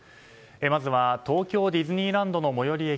まずは東京ディズニーランドの最寄り駅